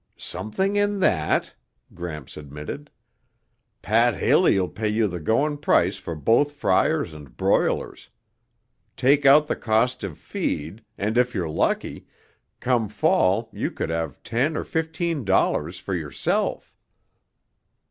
"Something in that," Gramps admitted. "Pat Haley'll pay you the going price for both fryers and broilers. Take out the cost of feed, and if you're lucky, come fall you could have ten or fifteen dollars for yourself."